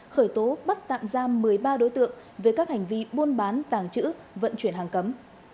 khởi tố bắt tạm giam một mươi ba đối tượng về các hành vi buôn bán tàng trữ vận chuyển hàng cấm